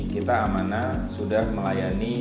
kita amana sudah melayani